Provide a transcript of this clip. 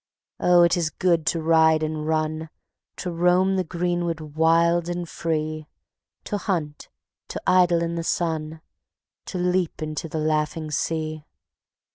Oh, it is good to ride and run, To roam the greenwood wild and free; To hunt, to idle in the sun, To leap into the laughing sea.